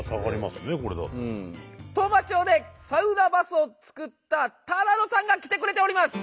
当麻町でサウナバスを作った只野さんが来てくれております！